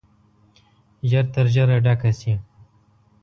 ژر تر ژره ډکه شي.